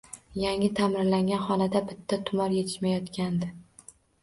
Yangi ta`mirlangan xonaga bitta tumor etishmayotgandi